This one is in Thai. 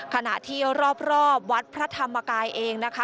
ขณะที่รอบวัดพระธรรมกายเองนะคะ